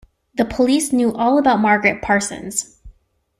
The police knew all about Margaret Parsons.